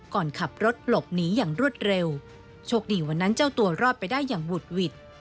ก่อนขับรถหลบหนีอย่างรวดเร็วโชคดีวันนั้นเจ้าตัวรอดไปได้อย่างหุดหวิด